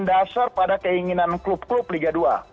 dasar pada keinginan klub klub liga dua